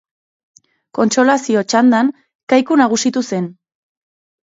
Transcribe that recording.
Kontsolazio txandan Kaiku nagusitu zen.